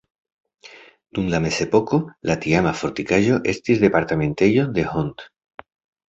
Dum la mezepoko la tiama fortikaĵo estis departementejo de Hont.